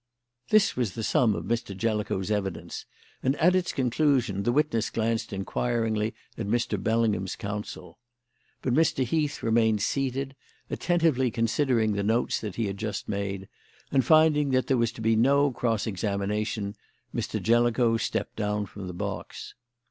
This was the sum of Mr. Jellicoe's evidence, and at its conclusion the witness glanced inquiringly at Mr. Bellingham's counsel. But Mr. Heath remained seated, attentively considering the notes that he had just made, and finding that there was to be no cross examination, Mr. Jellicoe stepped down from the box.